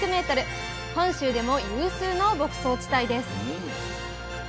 本州でも有数の牧草地帯です